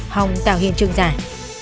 hồng tạo hiện trường giải